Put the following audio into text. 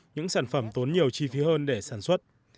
những sản phẩm tốn nhiều chi phí hơn để sản xuất